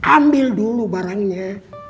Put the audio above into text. ambil dulu barangnya